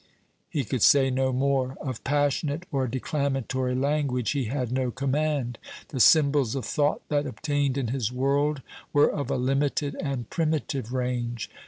He could say no more. Of passionate or declamatory language he had no command. The symbols of thought that obtained in his world were of a limited and primitive range.